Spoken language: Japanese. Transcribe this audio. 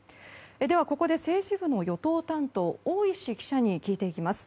ではここで政治部の与党担当大石記者に聞いていきます。